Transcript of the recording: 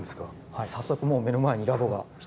はい早速もう目の前にラボが１つ２つと。